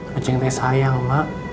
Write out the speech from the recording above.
kecengte sayang mak